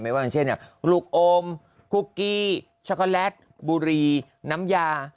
ไม่ว่ามันเช่นอย่างลูกอมคุกกี้ช็อกโกแลตบุรีน้ำยา